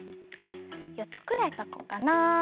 ４つくらいかこうかな。